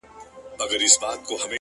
گرانه شاعره صدقه دي سمه،